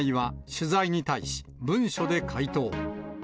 その自治体は取材に対し、文書で回答。